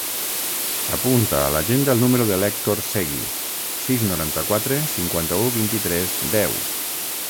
Apunta a l'agenda el número de l'Hèctor Segui: sis, noranta-quatre, cinquanta-u, vint-i-tres, deu.